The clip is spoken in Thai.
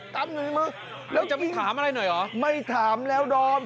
ตั้มอยู่ในมือแล้วยิงไม่ถามแล้วดอม